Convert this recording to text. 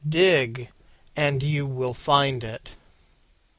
Dig, and you will find it."